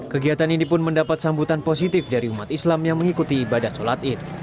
kegiatan ini pun mendapat sambutan positif dari umat islam yang mengikuti ibadah sholat id